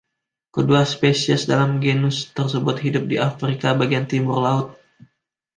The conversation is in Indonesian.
Kedua spesies dalam genus tersebut hidup di Afrika bagian timur laut.